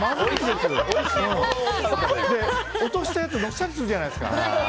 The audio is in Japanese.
落としたやつのせたりするじゃないですか。